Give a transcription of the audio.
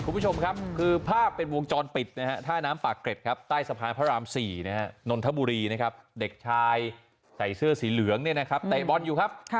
คุณผู้ชมครับคือภาพเป็นวงจรปิดนะฮะท่าน้ำปากเกร็ดครับใต้สะพานพระราม๔นนทบุรีนะครับเด็กชายใส่เสื้อสีเหลืองเนี่ยนะครับเตะบอลอยู่ครับ